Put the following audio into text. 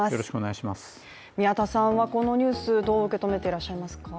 宮田さんはこのニュース、どう受け止めていらっしゃいますか？